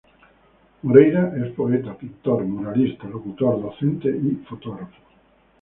Moreyra es poeta, pintor, muralista, locutor, docente y fotógrafo.